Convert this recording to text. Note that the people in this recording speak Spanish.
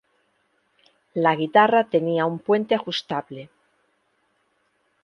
La guitarra tenía un puente ajustable.